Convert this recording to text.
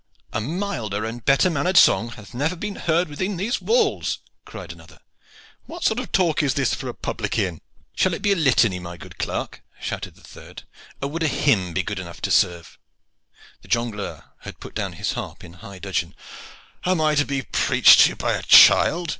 "A milder and better mannered song hath never been heard within these walls," cried another. "What sort of talk is this for a public inn?" "Shall it be a litany, my good clerk?" shouted a third; "or would a hymn be good enough to serve?" The jongleur had put down his harp in high dudgeon. "Am I to be preached to by a child?"